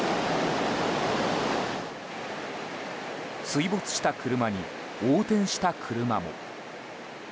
水没した車に、横転した車も。